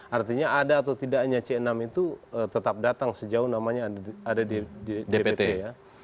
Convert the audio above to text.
artinya ada atau tidaknya c enam itu tetap datang sejauh namanya ada di dpt ya